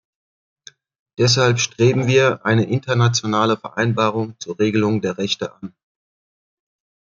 Deshalb streben wir eine internationale Vereinbarung zur Regelung der Rechte an.